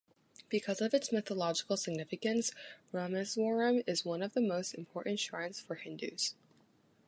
Because of its mythological significance, Rameswaram is one of the most important shrines for Hindus.